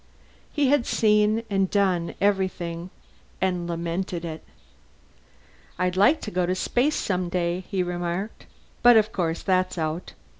He had seen and done everything, and lamented it. "I'd like to go to space someday," he remarked. "But of course that's out.